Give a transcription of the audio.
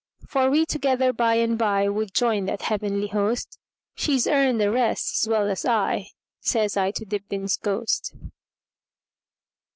For we together by and byWould join that heavenly host; She 's earned a rest as well as I,"Says I to Dibdin's ghost.